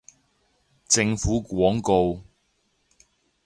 政府廣告